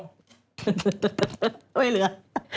ไม่เหลือ